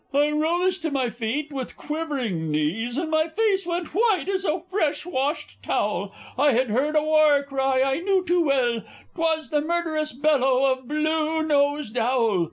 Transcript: I rose to my feet with quivering knees, and my face went white as a fresh washed towel; I had heard a war cry I knew too well 'twas the murderous bellow of Blue nosed Owl!